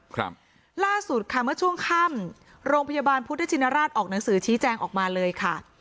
ครับล่าสุดค่ะเมื่อช่วงค่ำโรงพยาบาลพุทธชินราชออกหนังสือชี้แจงออกมาเลยค่ะ